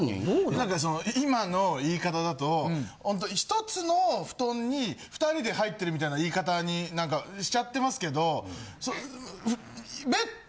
なんかその今の言い方だとほんとにひとつの布団に２人で入ってるみたいな言い方にしちゃってますけど。